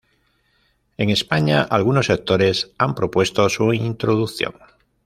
En España algunos sectores han propuesto su introducción.